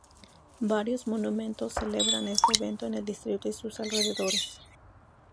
Varios monumentos celebran este evento en el distrito y sus alrededores.